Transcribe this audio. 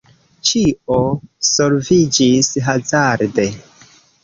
Ĉio solviĝis hazarde.